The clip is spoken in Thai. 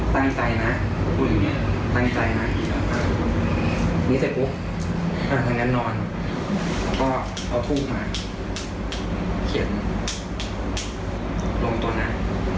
ไปนอนแล้วก็เอาถูกมาเขียนหลงตัวหน้า